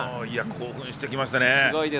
興奮してきましたね。